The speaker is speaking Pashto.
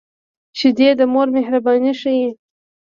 شیدې د مور مهرباني ښيي